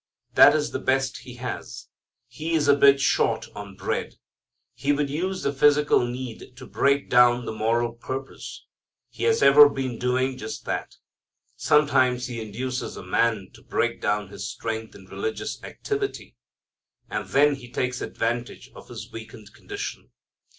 That is the best he has. He is a bit short on bread. He would use the physical need to break down the moral purpose. He has ever been doing just that. Sometimes he induces a man to break down his strength in religious activity. And then he takes advantage of his weakened condition.